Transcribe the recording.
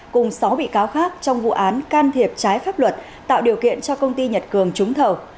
cùng sáu bị cáo khác trong vụ án can thiệp trái pháp luật tạo điều kiện cho công ty nhật cường trúng thầu